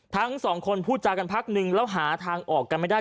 ทั้งสองคนพูดจากันพักนึงแล้วหาทางออกกันไม่ได้